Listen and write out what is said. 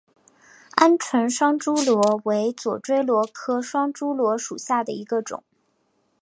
鹌鹑双珠螺为左锥螺科双珠螺属下的一个种。